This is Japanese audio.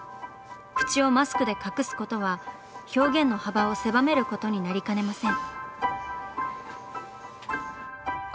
口をマスクで隠すことは表現の幅を狭めることになりかねません。